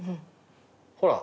ほら。